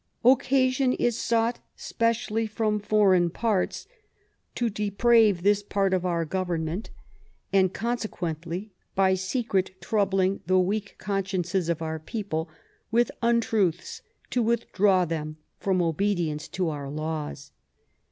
'* Occasion is sought, specially from foreign parts, to deprave this part of our Government, and con sequently, by secret troubling the weak consciences of our people with untruths to withdraw them from obedience to our laws."